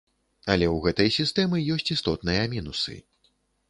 Але ў гэтай сістэмы ёсць істотныя мінусы.